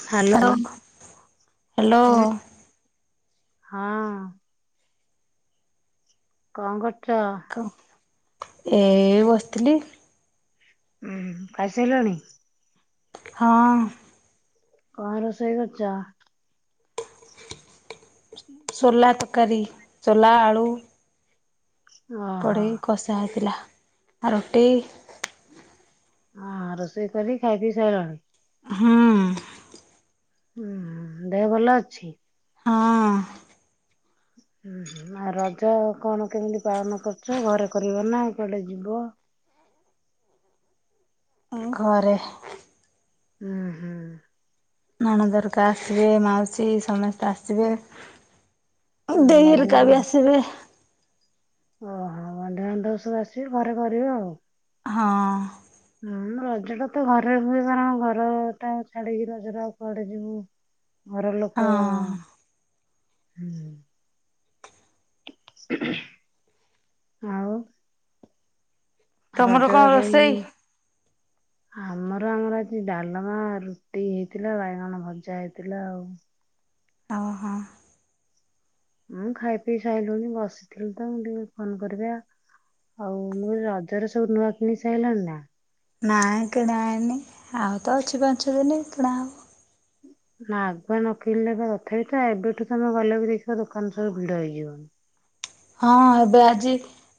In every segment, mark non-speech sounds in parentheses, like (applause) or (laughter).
Hello. Hello. ହୁଁ ହଁ। କଣ କରୁଛ? ଏଇ ବସିଥିଲି। ଉୁଁ ଖାଇସାରିଲଣି? ହଁ। କଣ ରୋଷେଇ କରିଛ? ସୋଲା ତରକାରୀ ସୋଲା ଆଳୁ ଓହୋ ପଡ଼ିକୀ କଷା ହେଇଥିଲା ଆ ରୁଟି। ହଁ ରୋଷେଇ କରୀକି ଖାଇ ପିଇ ସାରିଲଣି? ହଁ। ଦେହ ଭଲ ଅଛି। ହଁ। ରଜ କଣ କେମିତି ପାଳନ କରୁଛ ଘରେ କରିବ ନା କୁଆଡେ ଯିବ। ଘରେ। ହୁଁ ହୁଁ। ନାଣନ୍ଦଏହରିକା ଆସିବେ ମାଉସୀ ସମସ୍ତେ ଆସିବେ ଦେଇ ବନ୍ଧୁ ହେରିକା ବି ଆସିବେ ଓହୋ ବନ୍ଧୁ ବାନ୍ଧବ ସବୁ ଆସିବେ ଘରେ କରିବ। ହଁ। ହଁ ରଜ ଟା ତ ଘରେ ହୁଏ କାରଣ ଘର ଟା ଛାଡିକି ରଜରେଆଉ କୁଆଡେ ଯିବୁ। ହ (unintelligible) ଘର ଲୋକ ସେ (inaudible) ରଜ ତମର କଣ ରୋଷେଇ? ପାଇଁ ଆମର ଆମର ଆଜି ଡାଲମା ରୁଟି ହେଇଥିଲା ବାଇଗଣ ଭଜା ହେଇଥିଲା ଆଉ ଆଉ ହଁ। ମୁଁ ଖାଇ ପିଇ ସାଇିଲୁଣିି ବସିଥିଲୁ ତ ଟିକେ ଫୋନ କରିବା। ଆଉ ମୁଁ ରଜରେ ସବୁ ନୂଆ କିଣିସାଇଲଣି ନା। ନାଇଁ କିଣାହୋଇନିଆଉ ତ ଅଛି ପାଞ୍ଚ ଦିନ କିଣା ହବ। ନା ଆଗୁଆ ନକିଣିଲେ ବା ତଥାପି ତ ଏବେଠୁ ତମେ ଗଲେ ବି ଦେଖିବ ଦୋକାନ ସବୁ ଭିଡ ହେଇଯିବନି? ହଁ ଏବେ ଆଜି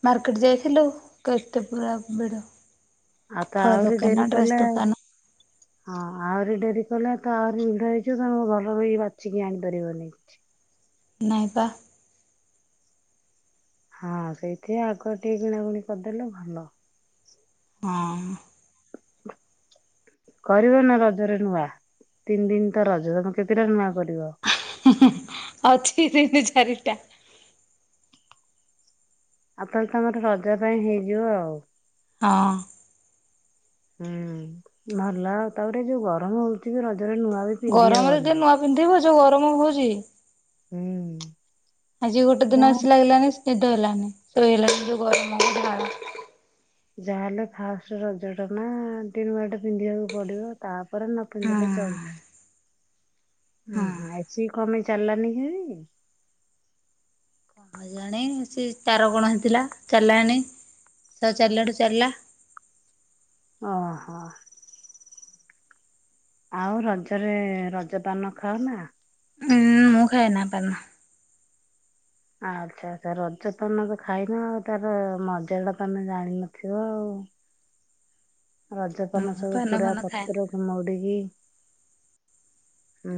ମାର୍କେଟ ଯାଇଥିଲୁ କେତେ ପୁରା ଭିଡ। ଆଉ ତ ଫଳ ଆହୁରି ଡେରି ଦୋକାନ ଡ୍ରେସ୍ କଲେ ଦୋକାନ। ହଁ ଆହୁରି ଡେରି କଲେ ତ ଆହୁରି ଭିଡା ହେଇଯିବ ତମେ ଭଲକିରିବାଛିକି ଆଣିପାରିବନି। ନାଇଁ ପା। ହଁ ସେଇଥି ଆଗୁଆଟିକେ କିଣାକିଣି କରିଦେଲେ ଭଲ। ହଁ। କରିବ ନା ରଜରେ ନୂଆ ତିନି ଦିନ ତ ରଜ ତମେ କେତେଟା ନୂଆ କରିବ। ଅଛି ତିନି ଚାରିଟା। ଆଉ ତାହେଲେ ତମର ରଜା ପାଇଁ ହେଇଯିବ ଆଉ। ହଁ। ହୁଁ ଭଲ ତାପରେ ଯୋଉ ଗରମ ହଉଛି ଯେ ରଜରେ ନୂଆ ବି। ପିନ୍ଧି ଗରମରେ ହବନି। ଯିଏନୂଆ ପିନ୍ଧିବ ଯୋଉ ଗରମ ହଉଚି। ହୁଁ। ଆଜି ଗୋଟେ ଦିନ ଯାହା ଏସିଲାଗିଲାନି ନିଦ ହେଲାନି ଶୋଇହେଲାନିଯୋଉ ଗରମକୁ ଝାଳ। ଯାହାହେଲେ ଫାଷ୍ଟ ରଜ ଟା ନା ଟିକେ ଲୁଗାଟା ପିନ୍ଧିବାକୁ ପଡିବ ତା। ତା ପରେ ନ ହଁ ପିନ୍ଧିଲେ ଚଳିବ। ଉଁ ହଁ ହୁଁ ଏସି କଣ ପାଇଁ ଚାଲିଲାନି କି ଆଜି। କେଜାଣି ସେ ତାର କଣ ହେଇଥିଲା ଚାଲିଲାଣିି ସହ ଚାଲିଲାଠୁ ଚାଲିଲା। ଓହୋ। ଆଉ ରଜରେ ରଜପାନ ଖାଅ ନା। ଉଁ ମୁଁ ଖାଏନା ପାନ। ଆଚ୍ଛା ଆଛା ରଜ ପାନ ତ ଖାଇନ ଆଉ ତାର ମଜା ଟା ତମେ ଜାଣିନଥିବ ଆଉ। (inaudible) ରଜପାନ ମୁଁ ସବୁ ପାନ ପୁରା ଫାନ ଖାଏନା ପତ୍ର। ମଉଡିକି ହୁଁ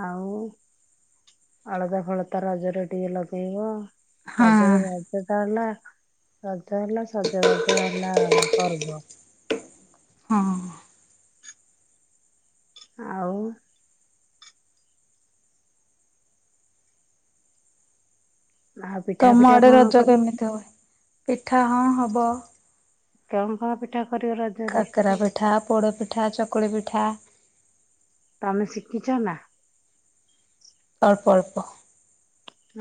ଆଉ ଅଳତା ଫଳତା ରଜରେ ଟିକେ ଲଗେଇବ। ହଁ ରଜରେ ବର୍ଷାଟା ହେଲା। ରଜ ହେଲା ସଜବାଜ ହେଲା ପର୍ବ। ହଁ। ଆଉ। ଆଉ ପିଠା ତମ ଫିଠା ଆଡେ କଣ ରଜ କରିବ କେମିତି ହୁଏ? ପିଠା ହଁ ହବ। କେଉଁ ପ୍ରକାର ପିଠା କରିବ ରଜ। କାକରା ପିଠା ପୋଡ଼ପିଠା ଚକୁଳି ପିଠା। ତମେ ଶିଖିଛ ନା? ଅଳ୍ପ ଅଳ୍ପ।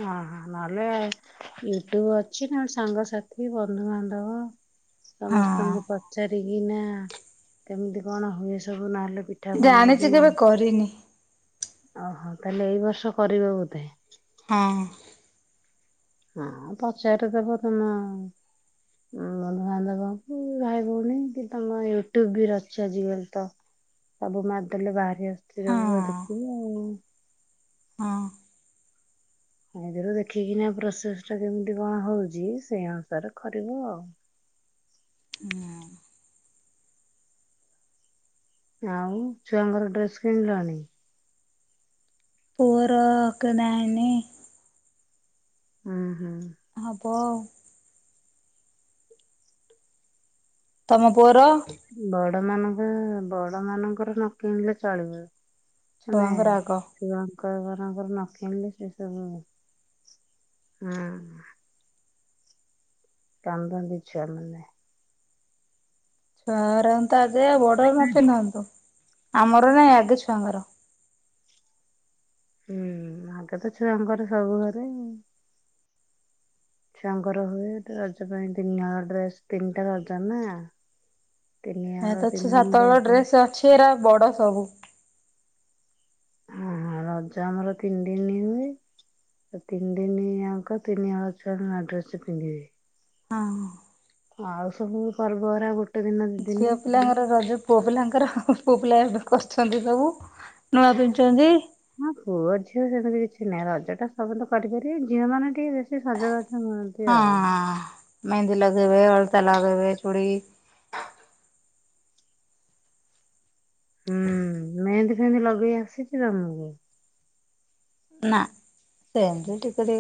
ଓ ହ ନହେଲେ। ୟୁଟୁବ ଅଛି ନହେଲେ ସାଙ୍ଗସାଥି ବନ୍ଧୁବାନ୍ଧବ। ସମସ୍ତଙ୍କୁ ହଁ ପଚାରିକି ନା କେମିତି କଣ ହୁଏ ସବୁ ନହେଲେ ପିଠ ଜାଣିଛି କେବେ କରିନି। ଓହୋ ତାହେଲେ ଏଇ ବର୍ଷ କରିବ ବୋଧେ। ହଁ। ହଁ ପଚାରି ଦବ ତମ ବନ୍ଧୁବାନ୍ଧବଙ୍କୁ ଭାଇ ଭଉଣୀ କି ତମ ୟୁଟ୍ୟୁବ ବି ଅଛି ଆଜିକାଲି ତ। (unintelligible) ସବୁ ମାରି ଦେଲେ ବାହାରି ଆସିଥିବ ସବୁ ହଁ ଦେଖିବ ଆଉ। ହଁ। ଏଥିରୁ ଦେଖିକିନା ପ୍ରୋସେସଟା କେମିତି କଣ ହଉଛି ସେଇ ଅନୁସାରେ କରିବ ଆଉ। ହୁଁ। ଆଉ ଛୁଆଙ୍କର ଡ୍ରେସ କିଣିଲଣି? ପୁଅର କିଣା ହେଇନି। ଓ ହୁଁ। ହବ ଆଉ। ତମ ପୁଅର? ବଡ ମାନଙ୍କ ବଡ ମାନଙ୍କର ନ କିଣିଲେ ଚଳିବ। ମାନେ। ଛୁଆଙ୍କର ଆଗ। ଛୁଆଙ୍କ ଘରଙ୍କର ନ କିଣିଲେ ସେ ସବୁ ହଁ। କାନ୍ଦନ୍ତି ଛୁଆ ମାନେ। ଛୁଆଙ୍କର ହ ତ ଆଗେ ବଡର ନ ପିନ୍ଧନ୍ତୁ ଆମର ନାଇଁ ଆଗେ ଛୁଆଙ୍କର। ହୁଁ ଆଗେ ତ ଛୁଆଙ୍କର ସବୁ ଘରେ। ଛୁଆଙ୍କର ହୁଏ ରଜ ପାଇଁ ତିନି ହଳ ଡ୍ରେସ ତିନିଟା ରଜ ନା। ତିନି ଏ ହଳ ତ ତିନି ଅଛି ଦିନ ସାତହଳ ରଜ ଡ୍ରେସ ଅଛି ଏରା ବଡ ସବୁ। ହ ହ ରଜ ଆମର ତିନି ଦିନ ହୁଏ। ତିନି ଦିନି ଯାକ ତିନି ହଳ ଛୁଆଆ ଡ୍ରେସ ପିନ୍ଧିବେ। ହଁ। ଆଉ ସବୁ ପର୍ବ ହରା ଗୋ ଝିଅ ପିଲାଙ୍କର ରଜ ପୁଅପିଲାଙ୍କର ପୁଅପିଲା ଏବେ କରୁଛନ୍ତି ସବୁ ନୂଆ ପିନ୍ଧୁଛନ୍ତି। ହଁ ପୁଅ ଝିଅ ସେମିତି କିଛି ନାହିଁ ରଜ ଟା ସବୁ ତ କରିପାରିବେ ଝିଅ ମାନେ ଟିକେ ବେଶି ସଜବାଜ ହୁଅନ୍ତି। ହଁ ଆଉ। ମେହେନ୍ଦି ଲଗେଇବେ ଅଳତା ଲଗେଇବେ ଚୁଡ଼ି ହୁଁ ମେହେନ୍ଦୀ ଫେହେନ୍ଦି ଲଗେଇ ଆସିଛି ତମକୁ। ନା ସେମ୍ ତି ଟିକେ ଟିକେ।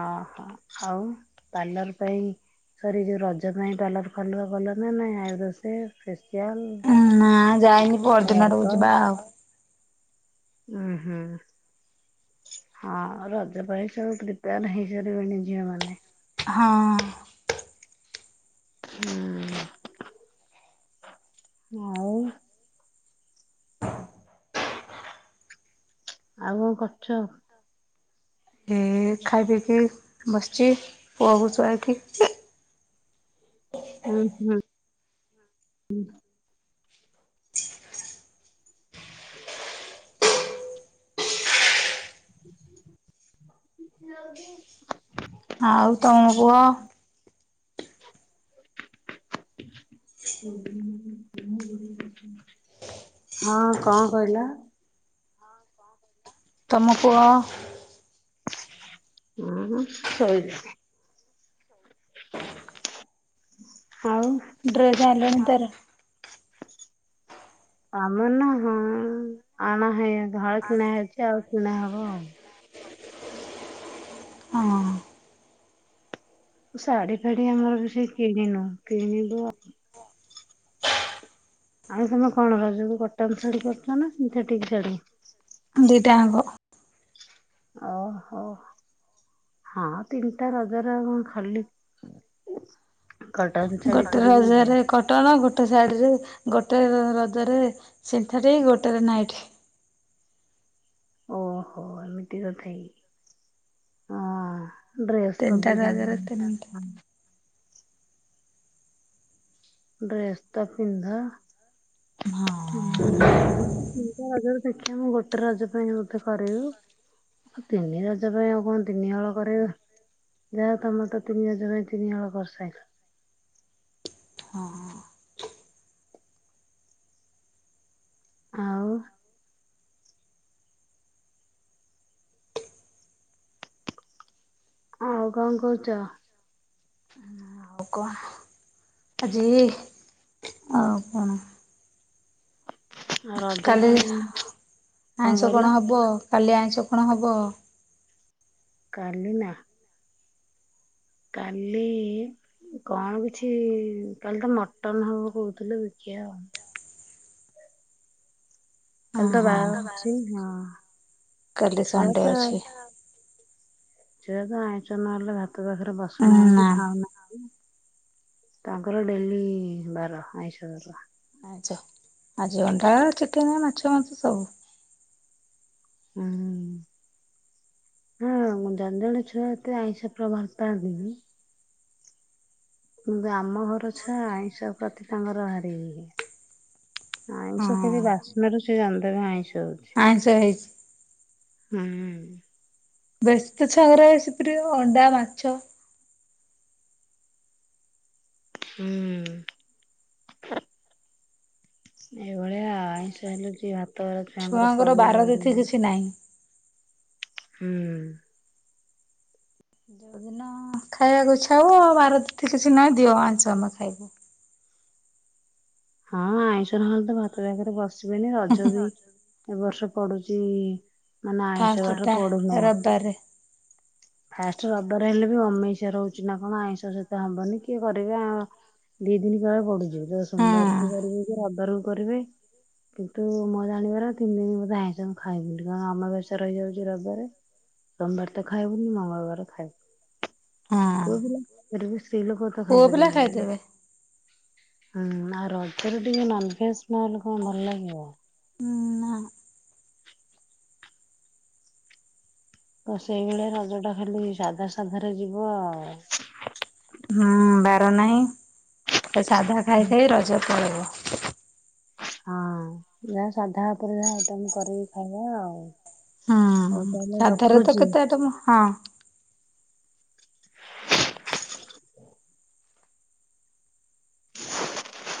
ଓହୋ ଆଉ ପାର୍ଲର ପାଇଁ। ସରି ଯୋଉ ରଜ ପାଇଁ ପାର୍ଲ ର ଫାର୍ଲର ଗଲଣି ନା ନାହିଁ ଆଇବର ସେଭ୍? ଫେସିଆଲ ଉଁ ନା ଯାଇନି ପହରଦିନ ହେୟାର ଆଡକୁ ଯିବା ଆଉ। ଉ ହୁଁ। ହଁ ରଜ ପାଇଁ ସବୁ ପ୍ରିପେୟାର ହେଇସାରିବେଣି ଝିଅ ମାନେ। ହଁ ହୁଁ ଆଉ ଆଉ କଣ କରୁଛ ଏ ଖାଇ ପିଇକି ବସିଛି ପୁଅକୁ ଶୁଆଇକି ହୁଁ ହୁଁ (unintelligible) ଆଉ ତମ ପୁଅ (inaudible) (inaudible) (unintelligible) ହଁ, କଣ କହିଲ? ତମ ପୁଅ ହୁଁ ଶଇଛି ଆଉ ଡ୍ରେସ ଆଇଁଲଣି ତାର ଆମ ନା ହଁ ଆଣା ହେଇ ହଳେ କିଣା ହେଉଛି ଆଉ କିଣା ହବ ଆଉ ହଁ ଶାଢୀ ଫାଢୀ ଆମର ବେସି କିଣିନୁ କିଣିବୁ ଆ ଆଉ ତମେ କଣ ରଜକୁ କଟନ ଶାଢୀ କରୁଛ ନା ସିନ୍ଥେଟିକ୍ ଶାଢୀ ଦିଟା ଆଂକ ଓହୋ ହଁ ତିନିଟା ରଜର କଣ ଖାଲି କଟନ ଶାଡି ଗୋଟେ କରିବେ ରଜରେ କଟନ ଗୋଟେ ସାଡ଼ିରେ ଗୋଟେ ରଜରେ ସନ୍ଥେଟିକ ଗୋଟେରେ ନାଇଟ୍ ଓହୋ ଏମିତି କଥାକି ହଁ ଡ୍ରେସ ତିନିଟା ରଜରେ କରିଥାନ୍ତି ତିନିଟା (unintelligible) ଡ୍ରେସ ତ ପିନ୍ଧ (unintelligible) ହଁ ଦେଖିଆ ମୁଁ ଗୋଟେ ରଜ ପାଇଁ ମୋତେ କରିବୁ ଆଉ ତିନି ରଜ ପାଇଁ ଆଉ କଣ ତିନି ହଳ କରିବେ ଯାହା ହଉ ତମର ତ ତିନି ରଜ ପାଇଁ ତିନି ହଳ କରିସାଲ ହଁ ଆଉ ଆଉ କଣ କହୁଛ ଆଉ କଣ ଆଜି ଆଉ କଣ ଆଉ ରଜ କାଲି ପାଇଁ ଆଇଁଷ କଣ ହବ କାଲି ଆଇଁଷ କଣ ହବ? କାଲି ନା କାଲି କଣ କିଛି କାଲି ତ ମଟନ ହବ କହୁଥିଲ ଦେଖିବା ଆଉ କାଲି ହଁ ତ ହଁ ବାହାଘର ଅଛି, ହଁ। କାଲି ଛୁଆ ସଣ୍ଡେ ତ ଅଛି। ଛୁଆ ତ ଆଇଁଷ ନହେଲେ ଭାତ ପାଖରେ ବସୁନାହାନ୍ତି, ନା ଖାଉନାହାନ୍ତି। ତାଙ୍କର ଡେଲି ବାର ଆଇଶ, ଅରୁଆ। ଆଛ ଆଜି ଅଣ୍ଡା, ଚିକେନ୍, ମାଛ, ମାଂସ ସବୁ। ଉ, ହୁଁ। ହୁଁ, ଜଣେ ଜଣେ ଛୁଆ ଏତେ ଆଇଁଷ ପ୍ର ଭଲ ପାଆନ୍ତି ନି। କିନ୍ତୁ ଆମ ଘର ଛୁଆ ଆଇଁସ ପ୍ରତି ତାଙ୍କର ଭାରି ଇଏ। ହଁ ଆଇଁଷ ଖାଲି ବାସ୍ନାରୁ ସେ ଜାଣିଦେବେ ଆଇଁଷ ବୋଲି। ଆଇଁଷ ହେଇଛି। ହୁଁ। ବ୍ୟସ୍ତ ଛଆଙ୍କ ର ଏସିପି ର ଅଣ୍ଡା, ମାଛ ହୁଁ। ଏଇଭଳିଆ ଆଇଁଷ ହେଲୁଛି ଭାତ ଗଲା ଛୁଆଙ୍କର ପଡି ବାର ତିଥି (unintelligible) କିଛି ନାହିଁ। ହୁଁ। ଯୋଉଦିନ ଖାଇବାକୁ ଇଛା ହବ ବାର ତିଥି କିଛି ନାହିଁ ଦିଅ ଆଇଂଶ ଆମେ ଖାଇବୁ। ହଁ ଆଇଁଷ ନହେଲେ ତ ଭାତ ପାଖରେ ବସିବେନି ରଜ ବି ଏବ ବର୍ଷ ପଡୁଛି ମାନେ ଆଇଁଷ ବାର ପଡୁନାହିଁ। ବାରେ। ଫାଷ୍ଟ ରବିବାର ହେଲେ ବି ଅମେଇଷ ରହୁଛି ନା କଣ ଆଇଁଷ ସହିତ ହବନି କିଏ କରିବେ। ଦି ଦିନ କଳେ ପଡୁଛିିବ ତ ହଁ ସୋମବାରକୁ କରିବେ କି ରବିବାରକୁ କରିବେ। କିନ୍ତୁ ମୋ ଜାଣିବାର ତିନି ଦିନ ବୋଧେ ଆଇଁଶ ଖାଇବିନି କାରଣ ଅମାବାସ୍ୟା ରହିଯାଉଛି ରବିବାରେ। ସୋମବାର ତ ଖାଇବୁନି ମଙ୍ଗଳବାର ଖାଇବୁ। ପୁଅ ପିଲା ଖାଇପାରିବୁ ସ୍ତ୍ରୀ ଲୋକ ତ ହଁ ପୁଅ ପିଲା ଖାଇପାରିବେନି। ଖାଇଦେବେ। ହୁଁ ଆଉ ରଜରେ ଟିକେ ନନ୍ଭେଜ ନ ହେଲେ କଣ ଭଲ ଲାଗିବ। ହୁଁ, ନା ତ ସେଇଭଳିଆ ରଜ ଟା ଖାଲି ସାଧା ସାଧା ରେ ଯିବ ଆଉ। ହୁଁ, ବାର ନାହିଁ ସେ ସାଧା ଖାଇଖାଇ ରଜ ପଳେଇବ। ହଁ, ଯାହା ସାଧା ଓପରେ ଆଇଟମ କରିକି ଖାଇବା ଆଉ। ହଉ ତାହେଲେ ରଖୁଛି। ତମୁଁ ହଁ। (unintelligible)